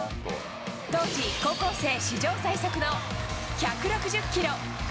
当時、高校生史上最速の１６０キロ。